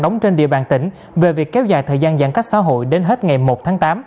đóng trên địa bàn tỉnh về việc kéo dài thời gian giãn cách xã hội đến hết ngày một tháng tám